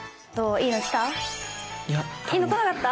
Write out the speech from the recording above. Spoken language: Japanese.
いいの来なかった？